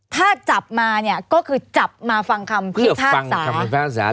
ถ้าจับมาเนี่ยก็คือจับมาฟังคำพิพากษา